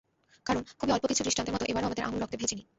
কারণ, খুবই অল্প কিছু দৃষ্টান্তের মতো এবারও আমাদের আঙুল রক্তে ভেজেনি।